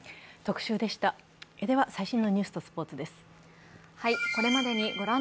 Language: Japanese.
では、最新のニュースとスポーツです。